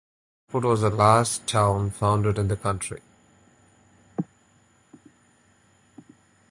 Greenport was the last town founded in the county.